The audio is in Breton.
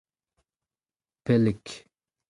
Pellik.